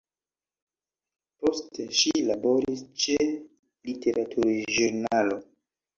Poste ŝi laboris ĉe literaturĵurnalo.